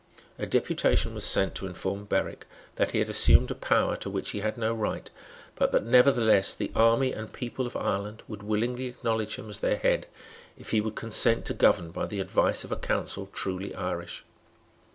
A deputation was sent to inform Berwick that he had assumed a power to which he had no right, but that nevertheless the army and people of Ireland would willingly acknowledge him as their head if he would consent to govern by the advice of a council truly Irish.